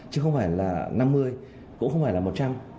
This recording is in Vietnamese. chứ không phải là năm mươi cũng không phải là một trăm linh